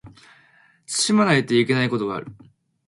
慎まないといけないことがある